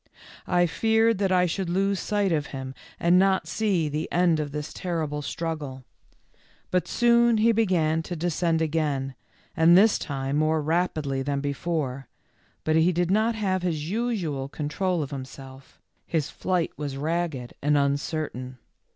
I feared that I should lose sight of him and not see the end of this terrible struggle. But soon he began to de scend again, and this time more rapidly than before, but he did not have his usual control of himself, his flight was ragged and uncertain.